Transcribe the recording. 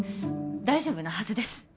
大丈夫なはずです